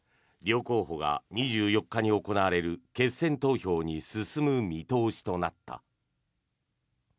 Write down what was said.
両候補が２４日に行われる決選投票に進む見通しとなった。